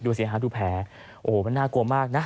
ดูสิฮะดูแพ้โอ้มันน่ากลัวมากนะ